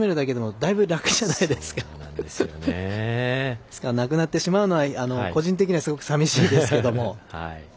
だから、なくなってしまうのは個人的にはすごく寂しいですけども。